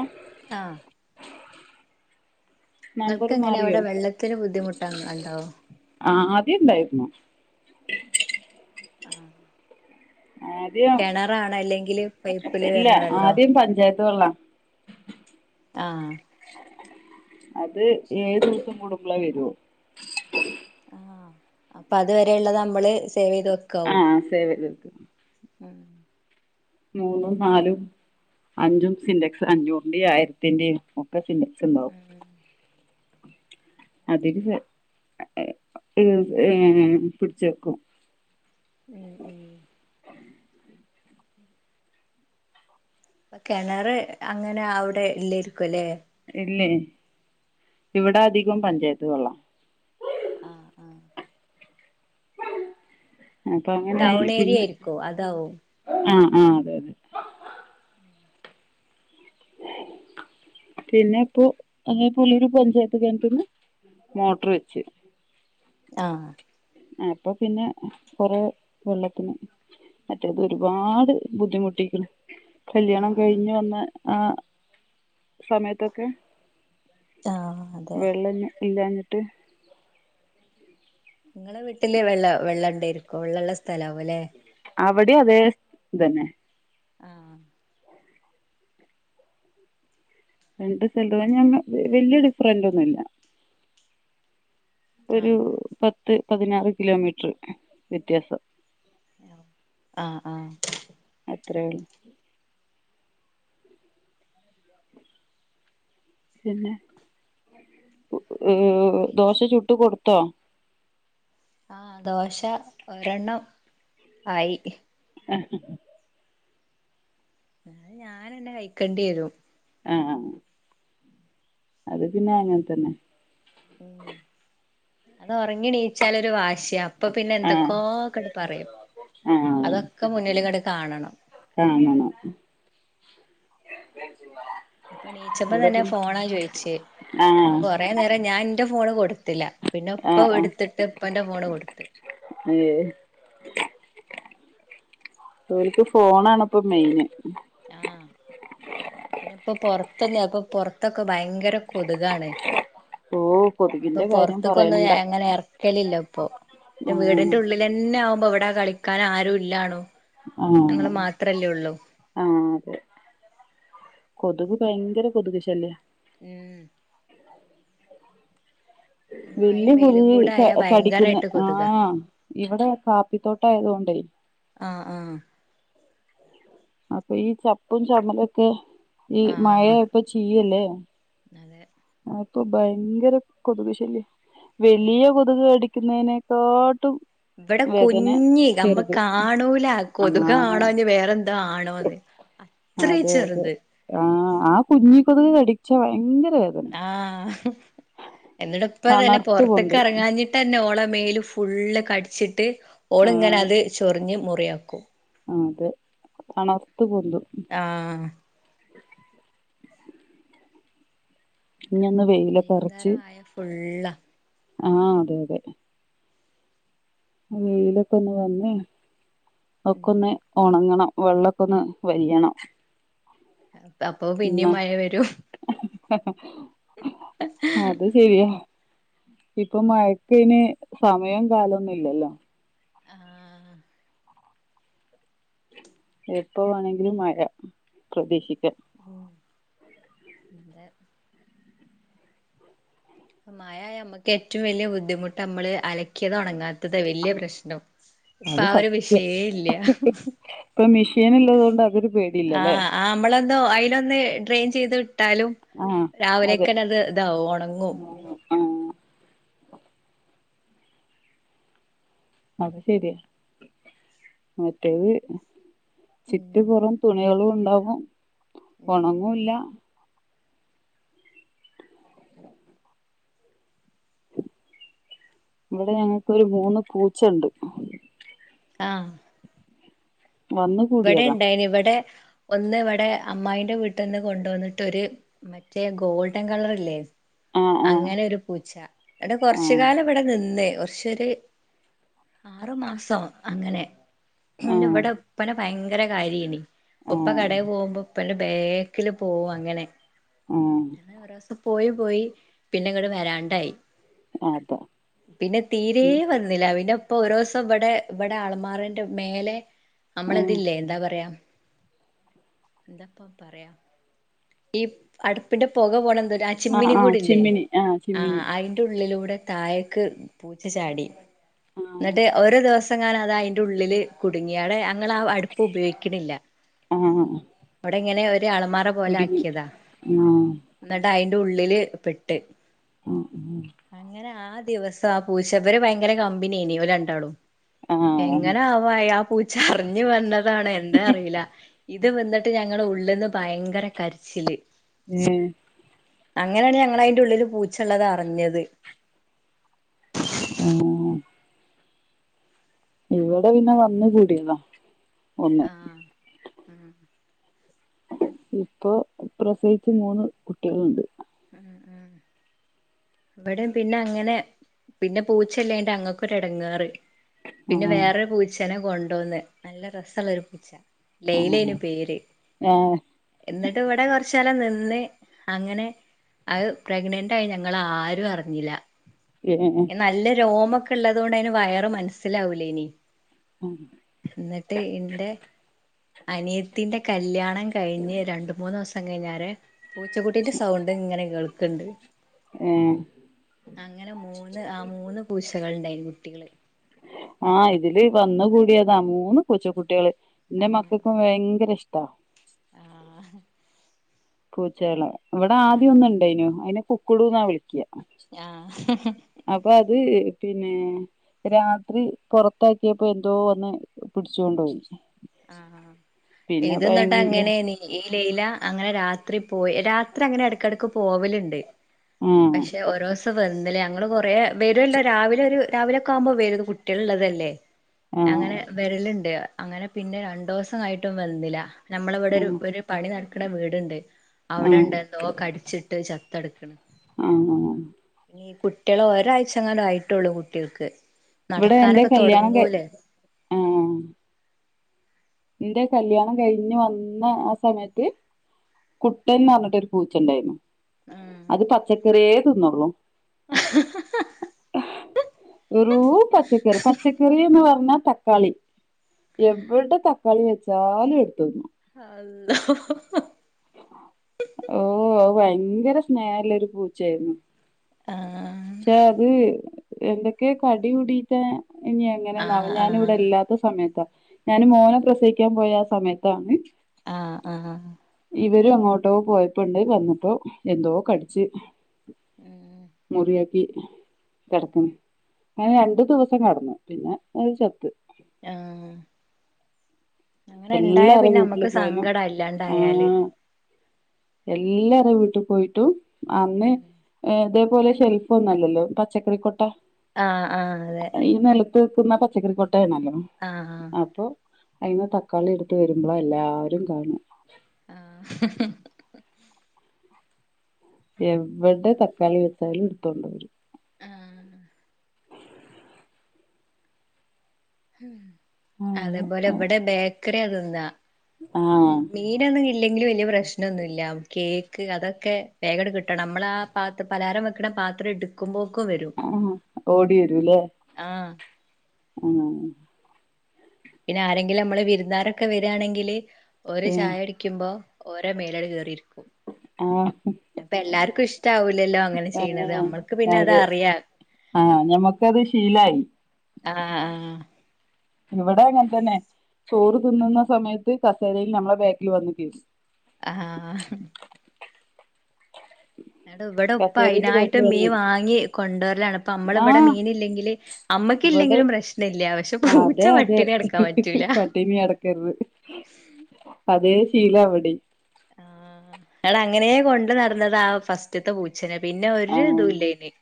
ഏ ആ നമ്പർ നിങ്ങൾക്ക് എങ്ങനെ മാറിയോ അവിടെ വെള്ളത്തിന് ബുദ്ധിമുട്ട് ഉണ്ടാവോ ജ്ജ് ണ്ടായിരുന്നൊ ആഹ് കിണറാണോ അല്ലെങ്കില് പൈപ്പില് വരണ വെള്ളോ അത് കൊള്ളാം ആഹ് അത് ശരി ഏത് ദിവസം കൂടു [unintelligible] വരോ ആ അപ്പൊ അതുവരെയുള്ളത് നമ്മള് സേവ് ചെയ്ത് വെ ആഹ് സേവ് ചെയ്ത് വെക്കും ഉം മൂന്നും നാലും അഞ്ചും സിൻന്റക്സ് അഞ്ഞൂറിന്റെയും ആയിരത്തിന്റെയും ഒക്കെ സിൻന്റ ഉം അതില് ഏർ ഏർ പിടിച്ച വെക്കും ഉം ഉം കിണർ അങ്ങനെ അവിടെ ഇല്ലരിക്കും അല്ലേ ഇല്ലേ ഇവിടെ അധികം പഞ്ചായത്ത് വെള്ളം ആഹ് ആഹ് അപ്പൊ ടൗൺ അങ്ങനെയായി ഏരിയ പിന്നെ ആയിരിക്കോ അതാവും ആഹ് ആ അതെ അതെ പിന്നെ ഇപ്പോ അതേ പോലൊരു പഞ്ചായത്ത് കെണറ്റിന്ന് മോട്ടർ വെച്ച് ആഹ് അപ്പൊ പിന്നെ കൊറെ വെള്ളത്തിന് മറ്റേത് ഒരുപാട് ബുദ്ധിമുട്ടിക്ക് ഉം കല്യാണം ഉം കഴിഞ്ഞു വന്ന ആ സമയത്തൊക്കെ ആഹ് അതെ വെള്ള ഇല്ല ഇല്ലാഞ്ഞു ട്ട് നിങ്ങളെ വീട്ടില് വെള്ള വെള്ളം ഉണ്ടയിരിക്കോ വെള്ളള്ള സ് സ്ഥലാവും അല്ലേ അവിടെ അതെ ഇതന്നെ ആഹ് രണ്ട് സ്ഥലവും ഞങ്ങ വല്യ ഡിഫറന്റ് ഒന്നുമില്ല ഒരു ആഹ് പത്ത് പത്ത് പതിനാറ് കിലോമീറ്റർ വ്യത്യാസം ആഹ് ആഹ് അത്രേള്ളൂ പിന്നെ ദോശ ചുട്ട് കൊടു ത്തോ ആ ദോശ ഒരെണ്ണം ആയി ആ അത് തന്നെ വെയ്ക്കേണ്ടി വരും ആ ആ അത് പിന്നെ അങ്ങനെ തന്നെ ഉ അത് ഒറങ്ങിയടി വാശിയ അപ്പൊ പിന്നെ ആഹ് എന്തൊക്ക പറയും ആഹ് അതൊക്കെ മുന്നിൽ കിട കാണണം കാണണം ഇപ്പൊ ഇണിച്ചപ്പ ഇവിടെ തന്നെ പിന്നെ ഫോണാ ചോയിച്ചേ ആഹ് അപ്പൊ കൊറേ നേരം ഞാൻ എന്റെ ഫോണ് കൊടുത്തില്ല പിന്നെ ഉപ്പ ആഹ് ആഹ് എടുത്തിട്ട് ഉപ്പന്റെ ഫോണ് കൊടുത്ത് ഇലക്ക് ഫോണാ ആണപ്പൊ മെയിന് ആ പിന്നെ ഇപ്പൊ പെറത്ത് നോക്ക് പൊറ തകം ഭയങ്കര കൊതുകാണ് ഓ ഇപ്പൊ കൊതുകിന്റെ കാര്യം പുറത്തേക്കൊന്നും പറയണ്ട അങ്ങനെ ഇറക്കലില്ലോ ഇപ്പൊ പിന്നെ ആഹ് വീടിന്റെ ഉള്ളിൽ തന്നെ ആവുമ്പോ എട കളിക്കാൻ ആരും ഇല്ലാണു ആഹ് ഞങ്ങള് മാത്രല്ലേ ഉള്ളു ആഹ് അതെ കൊതുക് ഭയങ്കര കൊതുക് ശല്യ ഉം ഈ മഴയും വല്യ വെയിലും കൊതുകെ കൂടെ ആയാ കടിക്കുന്നേ ഭയങ്കരായിട്ട് ആ കൊതുകാ ഇവിടെ കാപ്പിത്തോട്ട ആയതുകൊണ്ടേ ആ അപ്പൊ ഈ ചപ്പും ചമ്മലൊക്കെ ഈ മഴ ആഹ് ഇപ്പൊ ചിയ്യല്ലേ ആ അതെ അപ്പൊ ഭയങ്കര കൊതുക് ശല്യയ വലിയ കൊതുക് അടി പിന്നെതിനെക്കട്ടും ഇവിടെ കുഞ്ഞി നമ്മ കാണൂല കൊതു ആഹ് കാണോ വേറെന്ത ഇതാണോ അത് അത്രയും അതെ അതെ ചെറുത് ആഹ് ആ കുഞ്ഞി കൊതുക് കടിച്ച ഭയങ്കര വേദന ആ എന്നിട ഇപ്പ. തന്നെ തണർത്ത് പൊറത്തിട്ട് പൊന്തും ഇറങ്ങാഞ്ഞിട്ട് തന്നെ ഓള് മേല് ഫുള്ള് കടിച്ച് ഓ ഓള് ഇങ്ങനെ ആഹ് അത് ചൊറിഞ്ഞ് മൊത് ഫ്രീ ആകും ആ അതെ തണർത്ത് പൊന്തും ആ ഇഞ് ഒന്ന് വെയിലൊക്കെ അറച്ച് ള്ളാ ആ അതെ അതെ ആ വെയിലൊക്കെ ഒന്ന് വന്നേ ഒക്കെ ഉം ഒന്ന് ഒണങ്ങണം വെള്ളക്കൊന്ന് വലിയണം എത്താപ്പോ പിന്നിം മഴ വെരും ആ അത് ശരിയാ ഇപ്പൊ മഴക്കെയ്ന് സമയം കാലൊന്നും ഇല്ലല്ലോ ആ എപ്പ വേണെങ്കിലും മഴ പ്രതീക്ഷിക്കാം ഉം [unintelligible] മഴ ഞമ്മക്ക് ഏറ്റവും വല്ല്യ ബുദ്ധിമുട്ട് അമ്മൾ അലക്കിയെത് ഒണങ്ങാ ത്തതാ വല്ല്യ പ്രശ്നം ഇപ്പ അത് ആ ഒര് സത്യം വിഷയെ ഇല്ല ഷീന് ഇള്ളതോണ്ട് അതൊരു പേടിയില്ലലെ ലൊന്ന് ഡ്രെയിൻ ചെയ്ത് ട്ടാലും ആഹ് അതെ രാവിലെക്കെന്നെ അത് ഇതാവും ഒണങ്ങും ആഹ് അത് ശരിയാ മറ്റേത് ചിറ്റ് ഉം പൊറോം തുണെളു ഇണ്ടാകും ഉം ഒണങ്ങും ഇല്ല [inaudible] ഇവടെ ഞങ്ങക്കൊരു മൂന്ന് പൂച്ച ഇണ്ട് ആ വന്ന് ഇവടെ കൂടിയതാ ഇണ്ടായിനി ഇവടെ ഒന്ന് ഇവടെ അമ്മായിന്റെ വീട്ട്ന്ന് കൊണ്ടോന്ന്ട്ട് ഒര് മറ്റേ ഗോൾഡൻ കളർ ഇല്ലേ ആ ആ അങ്ങനെ ഒര് പൂച്ച ഇടെ ആ കൊർച്ച് കാലം ഇവടെ നിന്ന് കൊർച്ചൊര് ആറു മാസോ അങ്ങനെ ആ പിന്നെ ഇവടെ ഭയങ്കര കാര്യ ഐയ്നി ആ ഉപ്പ കടെ പോവ്മ്പോ അപ്പന്റെ ബേക്കില് പോവുംും അങ്ങനെ ആ ഒരുസം പോയി പോയി പിന്നെ ഇങ്ങോട് വരാണ്ടായി അതാ പിന്നെ തീരെ പിന്നെ വന്നില്ല പിന്നെ ഇപ്പൊ ഒരു ദിവസം ഇവിടെ ഇവിടെ ആൾമാറിന്റെ മേലെ നമ്മള ഇതില്ലേ എന്താ പറയാ എന്താപ്പ പറയാം ഈ അടുപ്പിന്റെ പുക പോണ എന്ത അ ആ ചിമ്മിനി ആ ആ കൂടല്ലേ ചിമ്മിനി ആ ആ് ചിമ്മിനി അതിന്റെ ഉള്ളിലൂടെ നടെ തായക്ക് പൂച്ച ചാടി ആ എന്നിട്ട് ഒരുോ ദിവസം ങ്ങൻ അത് അതിറെ ഉള്ളിൽ കുടുങ്ങിയാണ് അപ്പ ഉപയോഗിക്ക ആ ഇങ്ങനെ ഒരു അളമാറ പോലെ കുടുങ്ങി ആക്കിയതാ ആ എന്നിട്ട് അതിന്റെ ഉള്ളില് പെട്ട് ആ അങ്ങനെ ആദ്യ ദിവസം ആ പൂച്ചവര് ഭയങ്കര കമ്പിനീന രണ്ടാളും ആ ആ. എങ്ങനെ ആവാ ചറിഞ്ഞു വന്നത് എന്ത അറിയില്ല ഇത് വന്നിട്ട് ഞങ്ങളുടെ ഉള്ളിൽന്ന് ഭയങ്കര കരിച്ചില് ഹീ അങ്ങനെയാണ് ഞങ്ങ അയിറെ ഉള്ളില് പൂച്ചുള്ളത് അറിഞ്ഞത് ആഹ ഇവിടെ പിന്നെ വന്ന കൂടിയതാ ഒന്ന് ആഹ ഉം ഇപ്പൊ പ്രസവിിച്ച മൂന്ന് കുട്ടികളുണ്ട് ഉ ഉ അവിട പിന്നെ അങ്ങനെ പിന്നെ പൂച്ചല്ലന്റെ അങ്ങക്കൊരു ഇടങ്ങാറ് പിന്നെ ആ വേറെ പൂച്ചേനെ കൊണ്ടോന്നന്ന് നല്ല രസമുള്ളൊ ഒരു പൂച്ച ആ ലൈലേനു പേര് ഏ എന്നിട്ട് ഇവിടെ കുറച്ചാല നി അങ്ങനെ അത് പ്രഗ്നന്റ് ആയി ഞങ്ങ ആരും അറിഞ്ഞില്ല ഏ നല്ല രോമ ഉള്ളത്ുകൊണ്ട് അതിന് വയറ മനസ്സിലാവൂലേ ഇനി എന്നിട്ട് ഇൻ്റെ അനിയത്തിന്റെ കല്യാണ ണം കഴിഞ്ഞ് രണ്ട് മൂന്ന് ദ കഴിഞ്ഞാരെ പൂച്ചക്കുട്ടിന്റെ സൗ ഇങ്ങനെ കേൾക്ക്ണ്ട് ഏ അങ്ങനെ മൂന്ന് ആ മൂന്ന് പൂച്ചകൾ ഉണ്ടായിരുന്നു കുട്ടികള് താ മൂന്ന് പൂച്ച കുട്ടിയേള് ഇന്റെ ആഹ് മക്കൾക്കും ഭയങ്കര ഇഷ്ട ട്ടാ ആഹ് പൂച്ചകളെ ഇവിടെ ആദ്യാന്ന് ഇണ്ടേയിനു അയിനെ കുക്കുടൂന്നാ വിളിക്ക്യ ആഹ് പിന്നെ രാത്രി പുറത്താക്കിയപ്പൊ എന്തോ വന്ന് പിടിച്ചോണ്ടോയി ആഹ് ഹാ ഇത് ഇന്നട്ട് അങ്ങനേ നി ഈ ലൈല അങ്ങനെ രാത്രി പോയി രാത്രി അങ്ങനെ ഇടക്കെടക്ക് പോവല്ണ്ട് ആ പക്ഷെ ഓരോ ന്ന് ലേ ഞങ്ങള് കൊറേ വരുല്ലോ രാവിലെ ഒരു രാവിലെ ഒക്കെ ആവുമ്പോ വരും ത് കുട്ടിയേള് ഇള്ളതല്ലേ ആ അങ്ങനെ വെരല്ണ്ട് അങ്ങനെ പിന്നെ രണ്ടോസായിട്ടും വന്നില ആ നമ്മളെവെടെരു ഒരു പണി നടക്ക്ണ വീട്ണ്ട് ആ അവ്ടെണ്ട്ന്തോ കടിച്ചിട്ട് ച ത്തട്ക്ക്ണ് ആഹ് ഈ കുട്ട്യള് ഒരാഴ്ചങ്ങാണ്ടു ആയിട്ടൊള്ളു കുട്ട്യോൾക്ക് ഇവിടെ എന്റെ നടക്കാനൊക്കെ കല്യാണം ക തൊടങ്ങൂലേ ഇന്റെ കല്യാണം കഴിഞ്ഞ് വന്ന ആ സമയത്ത് കുട്ടൻന്ന്പറഞ്ഞിട്ടൊരു പൂച്ചണ്ടായിന്നു ആഹ് അത് പച്ചക്കറിയേ തിന്നൊള്ളൂ [unintelligible] [unintelligible] പച്ചക്കറി പച്ചക്കറീന്ന് ർന്നാ തക്കാളി എവിടെ ത [unintelligible] അള്ളോഹ് ഓ അത് ഭയങ്കര സ്നേഹല്ല ഒരു പൂച്ചാര്ന്നു ആഹ് എന്തൊക്കെ കടി കുടീട്ട് ഇനി എങ്ങനെണാവൊ ആഹ് ഞാനിവിടെ ആഹ് ഇല്ലാത്ത സമയത്താ ഞാന് മോനെ പ്രസയിക്ക്യാൻ പോയാ സമയത്താണ് ആഹ് ആഹ് ഇവരെങ്ങോട്ടോ പോയപ്പ്ണ്ട് വന്നപ്പോ എന്തോ കടിച്ച് ഉം ക്കി കെടക്ക്ണ് ഞാൻ രണ്ട് ദിവസം കെടന്നു ആഹ് അങ്ങനെ ഇണ്ടായാ എല്ലാരെ പിന്നെ വീട്ടില് നമ്മക്ക് പോയാലും സങ്കടാ ആ ഇല്ലാണ്ടായാല് എല്ലാ വീട്ടു പോയിട്ടു അന്ന് ഉം ഏത് ഇതുപോലെ ഷെൽഫ് ഒന്നുല്ലല്ലോ പച്ചക്കറിക്കൊട്ട ആ ആ അതെ തൂക്കുന്ന പച്ചക്കറി കൊ [unintelligible] ആഹ് അപ്പൊ അയ്മ ത കളി എടുത്ത് വെരുമ്പളാ എല്ലാരും കാണും ആഹ് എവിടെ തക്കാളി വെ ന്തായാലും എടുത്തോണ്ടോരും അവര് ആ ഹും അതെ അതേപോലെ ഇവിടെ ബേ ഇക്കരെ ഉള്ളന്തിനാ ആഹ് മീനാണെ ഇല്ലെങ്കിലും വലിയ പ്രശ്നൊന്നുല്ല കേക്ക് അതൊക്കെ വേഗണ്ട് കിട്ടണം മ്മള് ആ പാത്ര പലഹാരം വെക്കണ പാത്രം എടുക്കുമ്പോ ആ ഓടി വരൂല്ലേ ആഹ് ഉം പിന്നെ ആരെങ്കിലും മ്മള് വിരുന്നാരൊക്കെ വെരിയാണെങ്കില്- ഓര് ചായ ഏഹ് കുടിക്കുമ്പോ ഓരെ മേലാണ്ട് കയറിയിരിക്കും ആഹ് അപ്പൊ എല്ലാർക്കും ഇഷ്ടാവൂലല്ലോ അങ്ങനെ ചെയ്യ്ണത് ആഹ് നമ്മൾക്ക് പിന്നെ അത് അതെ അറിയ ആഹ് ഞമ്മക്കത് [inaudible] ആഹ് ആ ഇവിടെ അങ്ങനെ തന്നെ ചോറ് തിന്നുന്ന സമയത്ത് കസേരയിൽ നമ്മളെ ബാക്കിൽ വന്ന് കേറി- [unintelligible] ആഹ് ആടോ ഇവിടെ ഉപ്പ കസേരയില് അയിനായിട്ട് ബെഡില് മീൻ വന്നിരിക്കും വാങ്ങി കൊണ്ടുവരലാണ് അപ്പം അമ്മള് ആ ഇവിടെ മീന് ഇല്ലെങ്കില് അമ്മക്ക് ഇവിടെ ഇല്ലെങ്കിലും പ്രശ്ന ഇല്ല പക്ഷെ ആ പൂച്ച അതെ അതെ പട്ടിണി കിടക്കാൻ പറ്റൂല പട്ടിണി കെടക്കരുത് അതേ ശീല അവിടെയും - [unintelligible] ആഹ് [unintelligible] അവളെ അങ്ങനെ കൊണ്ട് നടന്നതാ ആ ഫസ്റ്റത്തെ പൂച്ചനെ പിന്നെ ഒരു ആഹ് ഇതുല്ലേനി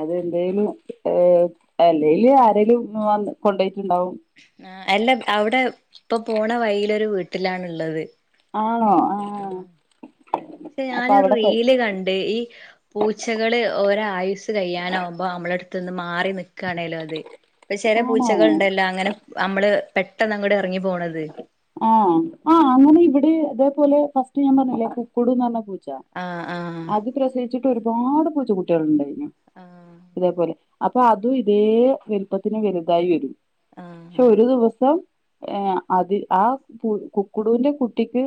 അതെന്തേലും ഏഹ് അല്ലെല് ആരെലും വന്ന് കൊണ്ടെ- [inaudible] ആഹ് അല്ല അവിടെ ഇപ്പൊ പോണ വൈയിലൊരു വീട്ടിലാണുള്ളത്- ആണോ ആ ആഹ് പക്ഷെ അപ്പൊ ഞാനൊരു അവിടെ പ റീല് കണ്ട് ഈ പൂച്ചകളെ ഓരോ ആയുസ് കഴിയാനാകുമ്പോ നമ്മളെടു തുന്ന് മാറി നിക്കുവാണേലോ അത് ഇപ്പൊ ചെല ആണോ പൂച്ചകൾ ഉണ്ടല്ലോ അങ്ങനെ അമ്മള് പെട്ടെന്ന് ന്നങ്ങട് ആഹ് ആ അങ്ങനെ ഇവിടെ അതേപോലെ ഫസ് റ്റ് ഞാൻ പറഞ്ഞില്ലേ കുക്കുടു ന്ന് പറഞ്ഞ പൂ ച്ച ആഹ് ആഹ് അത് പ്രസവി [unintelligible] ഒരുപാട് പൂച്ചുട്ടികളുണ്ടായി ആഹ് അപ്പൊ അതും ഇതേ വലുപ്പത്തിന് വലുതായി വരും പക്ഷെ ആഹ് ഒരു ദിവസം ഏഹ് അതി ആ കുക്കടുവിന്റെ കുട്ടിക്ക്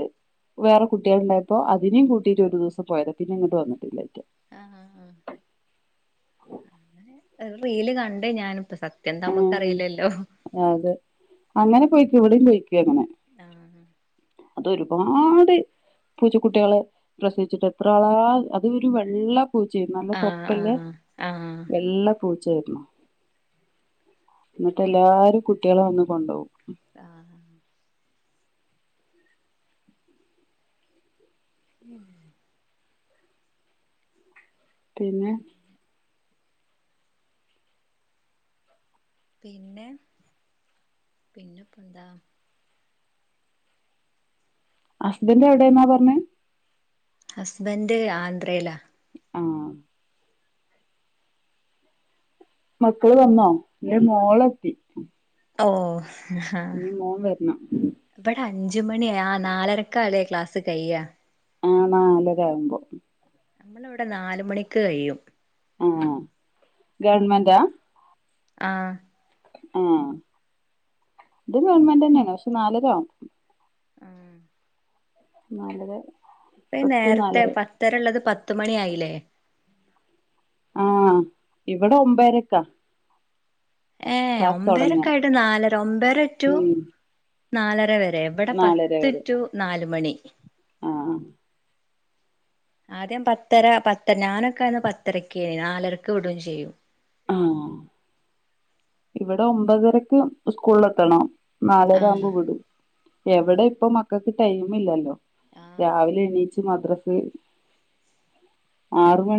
വേറെ കുട്ടികളുണ്ടായപ്പോ അതിനേ കൂട്ടിട്ട് ഒരു ദിവസം പോയത പിന്നെ ഇങ്ങോട്ട് വന്നിട്ടില്ല അയ്റ്റ ആഹ് അ റീല് കണ്ടേ ഞാൻ ആഹ് അതെ അങ്ങനെ പോയി ഇവിടെം പൊയ്ക്ക അങ്ങനെ ആഹ് അതൊരുപാട് പൂച്ചക്കുട്ടികളെ പ്രസവിച്ചിട്ട് എത്ര ആളാ അതൊരു വെള്ള പൂച്ചയ്നു നല്ല ആഹ് തൊപ്പല്ല ആഹ് ആഹ് വെള്ള പൂച്ച [unintelligible] എന്നിട്ട് എല്ലാരും കുട്ടികളെ വന്ന് കൊണ്ട് പോകും ആഹ് ഉം പിന്നെ പിന്നെ പിന്നെപ്പോ എന്താ ഹസ്ബൻറ് എവിടെെന്നാ പറഞ്ഞ ഹസ്ബന്ഡ് ആന്ധ്രയിലാ ആ മക്കള് വന്നോ ന്റെ മോളെത്തി. ഓ ഇ മോൻ വരണം. അഞ്ച മണിയ ആ നാലരക്കല്ലേ ക്ലാസ് കഴിയ്യാ? ആഹ് നാലര ആകുമ്പോ നമ്മൾ ഇവിടെ നാല മണിക്ക് കഴിയും. ആഹ ഗവൺമെന്റാ ആഹ ആഹ ഇത് ഗവൺമെന്റ് തന്നെയാണ് പക്ഷെ നാലരവും. ഉം നല്ലത്. ഇപ്പം നേരത്തെ പത്തര ഉള്ളത് പത്ത് പത്ത് മണി ആയില്ലേ? ആം ഇവിടെ ഒമ്പേരക്കാ. ഏ ഒമ്പേരൊക്കൊയിട്ടു നാലര ഒമ്പേര റ്റു ഉം നാലര വരെ എവിടെ നാലര പത്ത് വരെ റ്റു നാല് മണി. ആ ആദ്യം പത്തര പത്ത് ഞാനൊക്കെ ആന്ന് പത്തരയ്ക്ക് നാലരക്ക് വിടുകയും ചെയ്യും. ആ ഇവിടെ ഒമ്പതരക്ക് സ്കൂളിൽ എത്തണം. ആഹ് നാലരയാകുമ്പോ വിടും ആഹ് എവിടെ ഇപ്പം മ ഇപ്പം ടൈമ് ഇല്ലല്ലോ ആഹ് രാവിലെ എണീറ്റ് മദ്രസെ ആറ് മണി